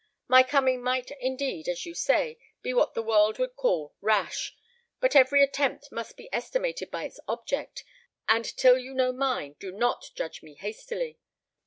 My coming might, indeed, as you say, be what the world would call rash; but every attempt must be estimated by its object, and till you know mine, do not judge me hastily.